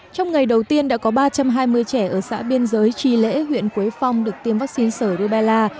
trong ngày đầu tiên đã có ba trăm hai mươi trẻ ở xã biên giới tri lễ huyện quế phong được tiêm vaccine sở rubella